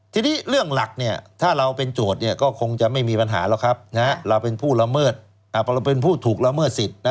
ทีนี้เรื่องหลักถ้าเราเป็นโจทย์ก็คงจะไม่มีปัญหาหรอกครับเราเป็นผู้ละเมิดเราเป็นผู้ถูกละเมิดสิทธิ์